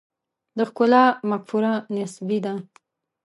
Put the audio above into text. د ښکلا مفکوره نسبي ده.